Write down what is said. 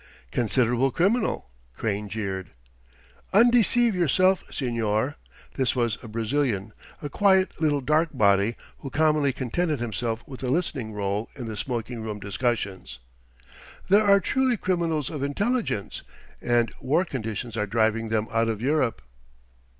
"Considerable criminal!" Crane jeered. "Undeceive yourself, señor." This was a Brazilian, a quiet little dark body who commonly contented himself with a listening rôle in the smoking room discussions. "There are truly criminals of intelligence. And war conditions are driving them out of Europe."